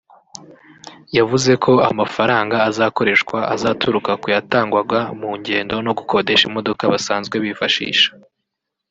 yavuze ko amafaranga azakoreshwa azaturuka ku yatangwaga mu ngendo no gukodesha imodoka basanzwe bifashisha